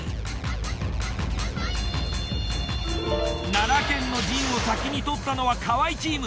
奈良県の陣を先に取ったのは河合チーム。